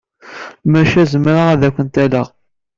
Maca zemreɣ ad kent-alleɣ.